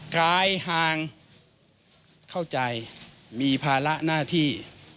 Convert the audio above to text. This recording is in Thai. กายห่างเข้าใจมีภาระหน้าที่